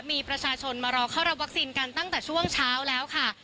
มีประชาชนมารอเข้ารับวัคซีนกันตั้งแต่ช่วงเช้าแล้วค่ะ